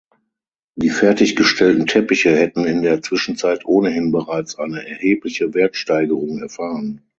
Die fertiggestellten Teppiche hätten in der Zwischenzeit ohnehin bereits eine erhebliche Wertsteigerung erfahren.